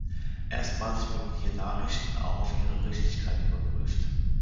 Erstmals wurden hier Nachrichten auch auf ihre Richtigkeit überprüft.